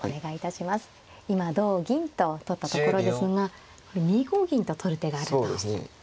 今同銀と取ったところですがこれ２五銀と取る手があると。